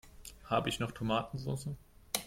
Habe ich noch Tomatensoße?